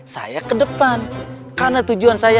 saya ke depan karena tujuan saya